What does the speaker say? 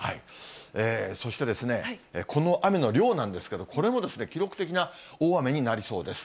そして、この雨の量なんですけど、これも記録的な大雨になりそうです。